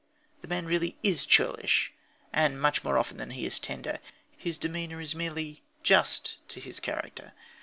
The man really is churlish, and much more often than he is tender. His demeanour is merely just to his character.